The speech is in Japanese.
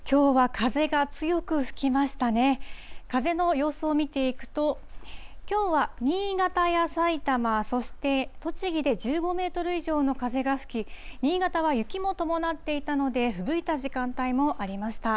風の様子を見ていくと、きょうは新潟や埼玉、そして栃木で１５メートル以上の風が吹き、新潟は雪も伴っていたので、ふぶいた時間帯もありました。